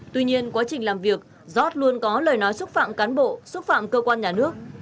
tuy nhiên quá trình làm việc giót luôn có lời nói xúc phạm cán bộ xúc phạm cơ quan nhà nước